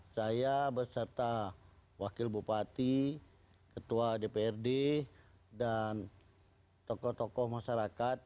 saya berserta wakil bupati ketua dprd dan tokoh tokoh masyarakat